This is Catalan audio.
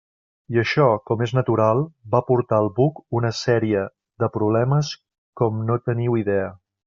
I això, com és natural, va portar al buc una sèrie de problemes com no teniu idea.